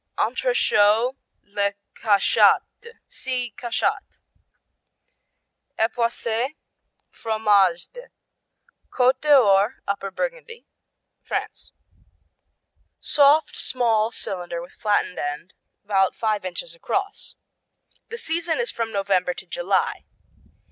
Entrechaux, le Cachat d' see Cachat. Epoisses, Fromage d' Côte d'Or, Upper Burgundy, France Soft, small cylinder with flattened end, about five inches across. The season is from November to July.